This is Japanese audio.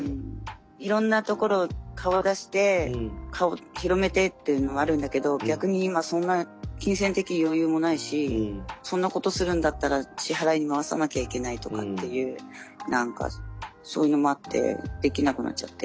いろんなところ顔出して顔広めてというのもあるんだけど逆に今そんな金銭的余裕もないしそんなことするんだったら支払いに回さなきゃいけないとかっていう何かそういうのもあってできなくなっちゃって。